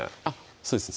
そうですね